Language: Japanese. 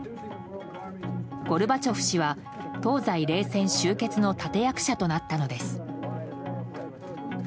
ゴルバチョフ氏は東西冷戦終結の立役者となったのです。